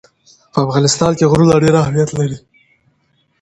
په افغانستان کې غرونه ډېر اهمیت لري.